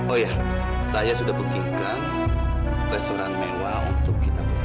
oh iya saya sudah pekihkan restoran mewah untuk kita bertuang